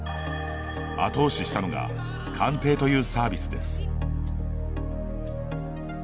後押ししたのが鑑定というサービスです。